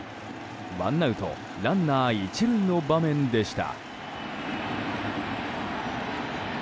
ワンアウトランナー１塁の場面でした。